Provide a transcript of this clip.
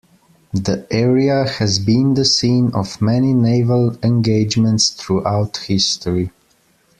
The area has been the scene of many naval engagements throughout history.